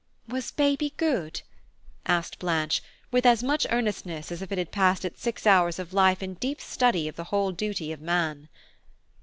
"Was baby good?" asked Blanche with as much earnestness as if it had passed its six hours of life in deep study of the whole duty of man.